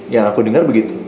yang aku dengar begitu